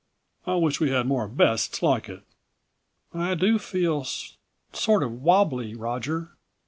I wish we had more 'bests' like it." "I do feel ... sort of wobbly, Roger.